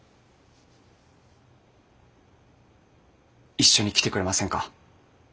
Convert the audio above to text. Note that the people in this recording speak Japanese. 一緒に来てくれませんか？